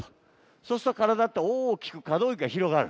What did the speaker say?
そうすると、体って大きく可動域が広がる。